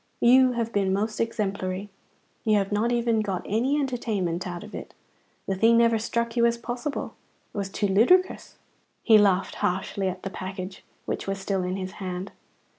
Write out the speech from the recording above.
You have been most exemplary; you have not even got any entertainment out of it. The thing never struck you as possible. It was too ludicrous!" He laughed harshly at the package, which was still in his hand.